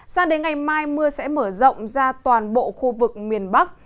sao đến ngày mai mưa sẽ mở rộng ra toàn bộ khu vực miền bắc